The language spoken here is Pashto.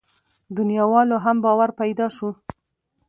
دنياوالو هم باور پيدا شو.